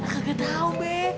kagak tahu be